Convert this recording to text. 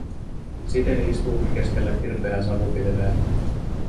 Siten istuu hän keskellä kirpeää savupilveä.